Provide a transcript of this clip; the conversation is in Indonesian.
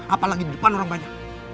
apalagi di depan orang banyak